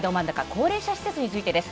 高齢者施設についてです。